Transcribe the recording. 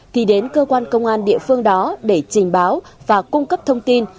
thì đến cơ quan công an địa phương đó để trình báo và cung cấp thông tin